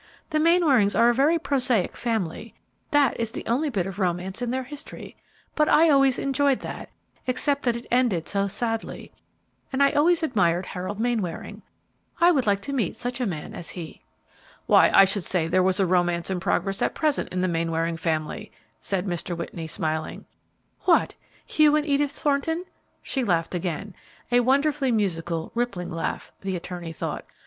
The Mainwarings are a very prosaic family; that is the only bit of romance in their history; but I always enjoyed that, except that it ended so sadly, and I always admired Harold Mainwaring. I would like to meet such a man as he." "Why, I should say there was a romance in progress at present in the Mainwaring family," said Mr. Whitney, smiling. "What! Hugh and Edith Thornton?" She laughed again, a wonderfully musical, rippling laugh, the attorney thought.